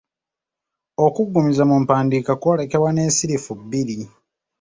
Okuggumiza mu mpandiika kwolekebwa n’ensirifu bbiri.